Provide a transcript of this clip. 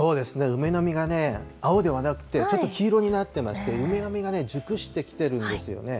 梅の実が青ではなく、ちょっと黄色になってまして、梅の実が熟してきてるんですよね。